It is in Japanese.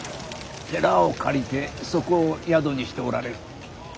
寺を借りてそこを宿にしておられる。